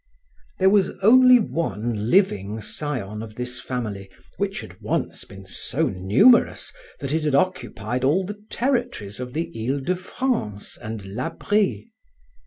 There was only one living scion of this family which had once been so numerous that it had occupied all the territories of the Ile de France and La Brie.